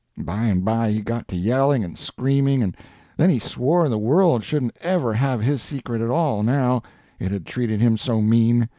By and by he got to yelling and screaming, and then he swore the world shouldn't ever have his secret at all now, it had treated him so mean.